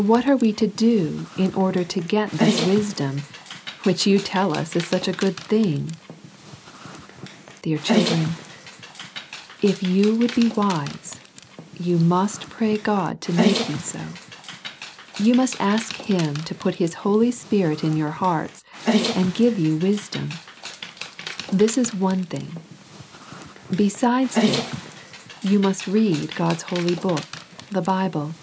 What are we to do in order to get this wisdom, which you tell us is such a good thing ? Dear Children, if you would be wise, you must pray God to make you so. You must ask Him to put His Holy Spirit in your hearts, and give you wisdom. This is one thing. Besides this, you must read God's holy book, the Bible.